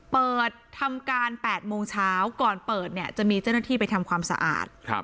เปิดทำการ๘โมงเช้าก่อนเปิดเนี่ยจะมีเจ้าหน้าที่ไปทำความสะอาด